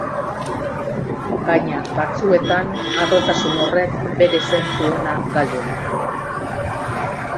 Baina, batzuetan, harrotasun horrek bere zentzu ona galdu egiten du.